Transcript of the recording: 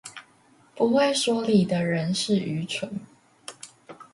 不會說理的人是愚蠢